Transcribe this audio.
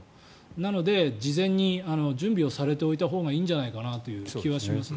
なので事前に準備をされておいたほうがいいんじゃないかなという気はしますね。